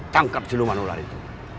cepat tangkap si luman ular itu